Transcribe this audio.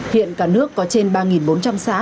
hiện cả nước có trên ba bốn trăm linh xã